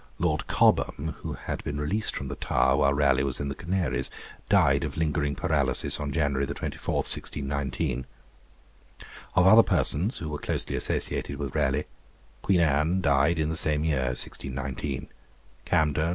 Lord Cobham, who had been released from the Tower while Raleigh was in the Canaries, died of lingering paralysis on January 24, 1619. Of other persons who were closely associated with Raleigh, Queen Anne died in the same year, 1619; Camden in 1623; James I.